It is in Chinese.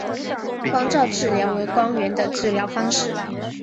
光照治疗为光源的治疗方式。